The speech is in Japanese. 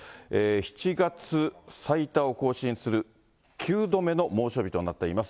７月最多を更新する９度目の猛暑日となっています。